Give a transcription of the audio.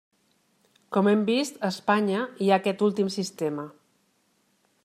Com hem vist, a Espanya hi ha aquest últim sistema.